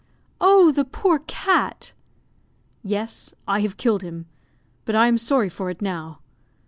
"Oh, the poor cat!" "Yes, I have killed him; but I am sorry for it now.